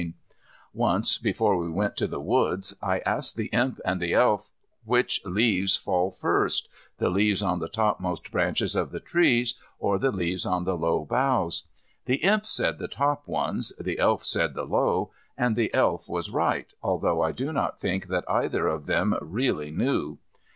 Once, before we went to the woods, I asked the Imp and the Elf which leaves fall first, the leaves on the topmost branches of the trees or the leaves on the low boughs, The Imp said the top ones, the Elf said the low, and the Elf was right, although I do not think that either of them really knew.